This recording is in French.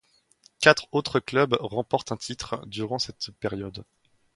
Quatre autres clubs remportent un titre durant cette période.